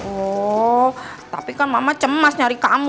oh tapi kan mama cemas nyari kamu